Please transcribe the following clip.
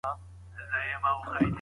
تاسو باید هیڅکله د پېغور پروا ونه کړئ.